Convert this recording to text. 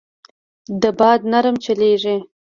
دا باد نرم چلېږي.